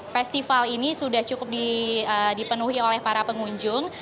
festival ini sudah cukup dipenuhi oleh para pengunjung